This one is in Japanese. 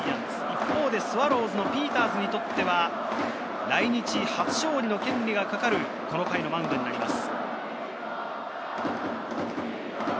一方でスワローズのピーターズにとっては来日初勝利の権利がかかるこの回のマウンドになります。